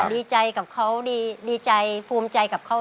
ดีใจกับเขาดีใจภูมิใจกับเขา